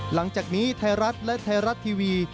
หลังจากนี้ไทยรัฐและไทยรัฐทีวี